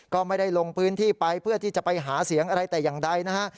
ก็ไม่ได้ลงพื้นที่ไปเพื่อที่จะไปหาเสียงอะไรแต่อย่างใดนะฮะ